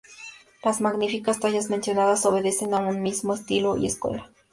Las magníficas tallas mencionadas obedecen a un mismo estilo y escuela.